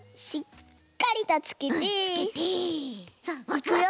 いくよ！